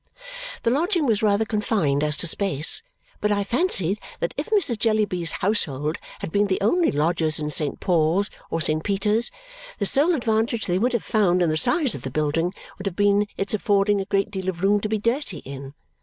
The lodging was rather confined as to space, but I fancied that if Mrs. Jellyby's household had been the only lodgers in Saint Paul's or Saint Peter's, the sole advantage they would have found in the size of the building would have been its affording a great deal of room to be dirty in.